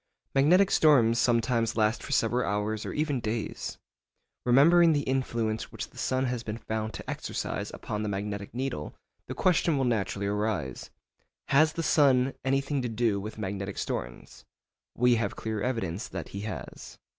Magnetic storms sometimes last for several hours or even days. Remembering the influence which the sun has been found to exercise upon the magnetic needle, the question will naturally arise, Has the sun anything to do with magnetic storms? We have clear evidence that he has.